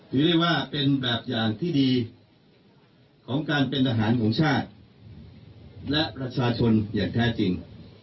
ถือได้ว่าเป็นแบบอย่างที่ดีของการเป็นทหารของชาติและประชาชนอย่างแท้จริง